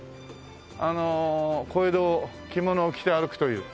あの小江戸を着物を着て歩くという。